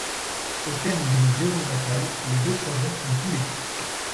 Au terme d'une violente bataille, les deux croiseurs sont coulés.